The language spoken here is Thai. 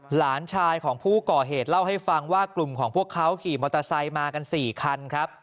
หลานชายของผู้ก่อเหตุเล่าให้ฟังว่ากลุ่มของพวกเขาขี่มอเตอร์ไซค์มากัน๔คันครับ